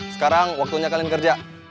sekarang waktunya kalian kerja